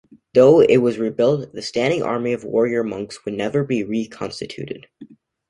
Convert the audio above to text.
Though it was rebuilt, the standing army of warrior monks would never be reconstituted.